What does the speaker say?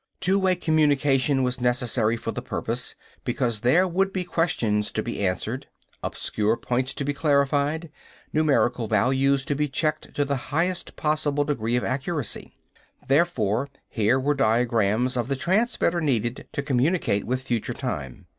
Two way communication was necessary for the purpose, because there would be questions to be answered, obscure points to be clarified, numerical values to be checked to the highest possible degree of accuracy. Therefore, here were diagrams of the transmitter needed to communicate with future time.